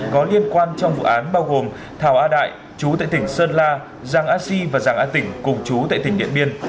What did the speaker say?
có liên quan trong vụ án bao gồm thảo a đại trú tại tỉnh sơn la giang a si và giang a tỉnh cùng trú tại tỉnh điện biên